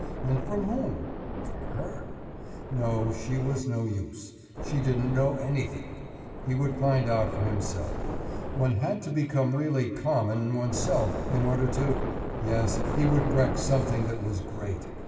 And from whom? From her? No, she was no use. She didn't know anything. He would find out for himself. One had to become really common oneself in order to.... Yes, he would wreck something that was great!